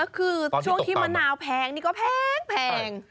คือช่วงที่มะนาวแพงนี่ก็แพง